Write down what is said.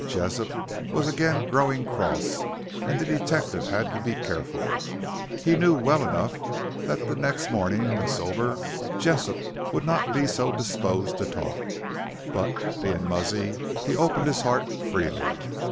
Jessop was again growing cross, and the detective had to be careful. He knew well enough that next morning, when sober, Jessop would not be so disposed to talk, but being muzzy, he opened his heart freely.